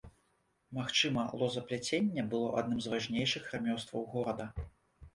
Магчыма, лозапляценне было адным з важнейшых рамёстваў горада.